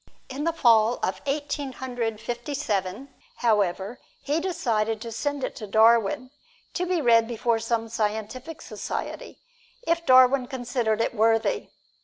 In the Fall of Eighteen Hundred Fifty seven, however, he decided to send it to Darwin to be read before some scientific society, if Darwin considered it worthy.